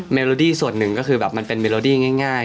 โลดี้ส่วนหนึ่งก็คือแบบมันเป็นเมโลดี้ง่าย